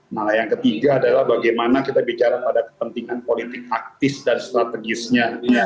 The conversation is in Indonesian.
nah yang ketiga adalah bagaimana kita bicara pada kepentingan politik taktis dan strategisnya